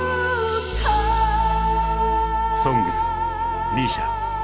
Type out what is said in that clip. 「ＳＯＮＧＳ」ＭＩＳＩＡ。